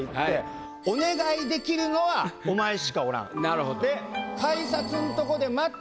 なるほど。